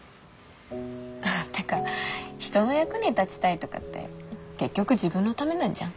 てか人の役に立ちたいとかって結局自分のためなんじゃん？